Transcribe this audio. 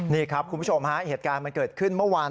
นี่ครับคุณผู้ชมฮะเหตุการณ์มันเกิดขึ้นเมื่อวาน